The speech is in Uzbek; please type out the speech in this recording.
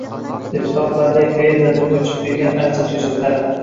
deputatlarday qaerdandir koʼchib kelgan archa koʼchatlar